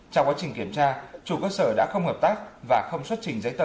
trong quá trình kiểm tra chủ cơ sở đã không hợp tác và không xuất trình giấy tờ